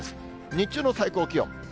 日中の最高気温。